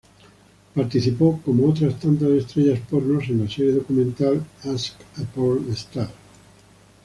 Participó, como otras tantas estrellas porno, en la serie documental "Ask A Porn Star".